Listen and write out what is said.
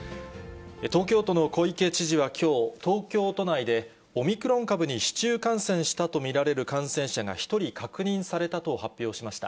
東京都の小池知事はきょう、東京都内で、オミクロン株に市中感染したと見られる感染者が１人確認されたと発表しました。